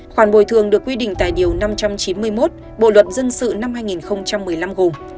khoản bồi thường được quy định tại điều năm trăm chín mươi một bộ luật dân sự năm hai nghìn một mươi năm gồm